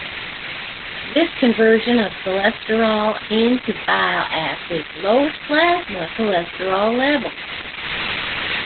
This conversion of cholesterol into bile acids lowers plasma cholesterol levels.